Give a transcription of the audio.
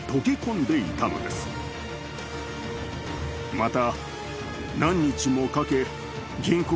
また。